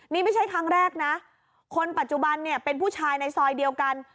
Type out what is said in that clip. นี่ไม่ใช่ครั้งแรกนะคนปัจจุบันเนี่ยเป็นผู้ชายในซอยเดียวกัน